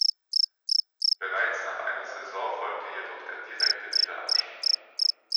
Bereits nach einer Saison folgte jedoch der direkte Wiederabstieg.